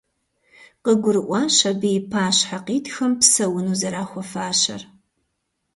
КъыгурыӀуащ абы и пащхьэ къитхэм псэуну зэрахуэфащэр.